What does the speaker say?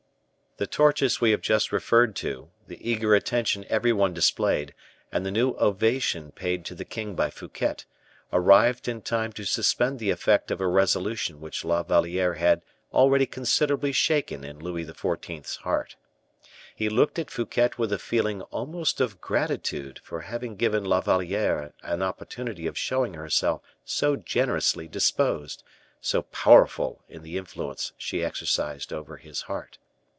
The torches we have just referred to, the eager attention every one displayed, and the new ovation paid to the king by Fouquet, arrived in time to suspend the effect of a resolution which La Valliere had already considerably shaken in Louis XIV.'s heart. He looked at Fouquet with a feeling almost of gratitude for having given La Valliere an opportunity of showing herself so generously disposed, so powerful in the influence she exercised over his heart.